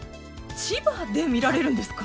千葉で見られるんですか？